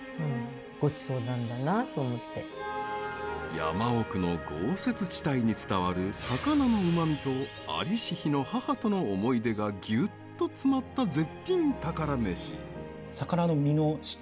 山奥の豪雪地帯に伝わる魚のうまみと在りし日の母との思い出がギュッと詰まった絶品宝メシ。